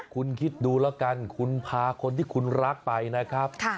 คุณคิดดูแล้วกันคุณพาคนที่คุณรักไปนะครับ